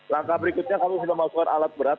langkah berikutnya kami sudah memasukkan alat berat